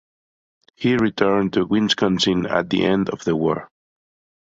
He returned to Wisconsin at the end of the war.